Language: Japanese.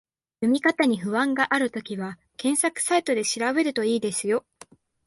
読み方に不安があるときは、検索サイトで調べると良いですよ